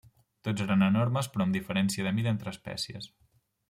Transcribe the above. Tots eren enormes però amb diferència de mida entre espècies.